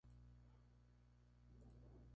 Maron de Brooklyn.